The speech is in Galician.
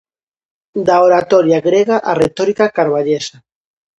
Da oratoria grega á retórica carballesa.